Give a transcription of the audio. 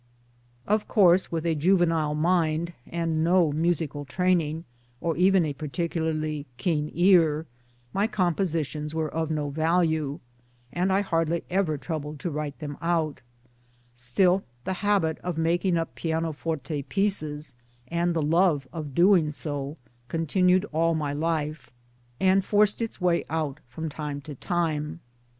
Of course with a juvenile mind, and no musical training, nor even a particularly keen ear, my compositions were of no value, and I hardly ever troubled to write them out ; still the habit of making up pianoforte pieces, and the love of doing so, continued all my life, and forced its way out from time to time.